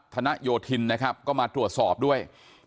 นโยธินนะครับก็มาตรวจสอบด้วย